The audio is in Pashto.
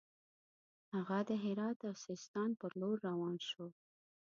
هغه د هرات او سیستان پر لور روان شو.